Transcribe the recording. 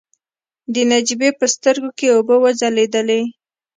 د نجيبې په سترګو کې اوبه وځلېدلې.